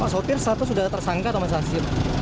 sopir satu sudah tersangka atau masih hasil